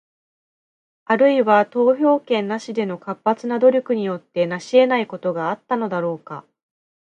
あるいは、投票権なしでの活発な努力によって成し得ないことがあったのだろうか？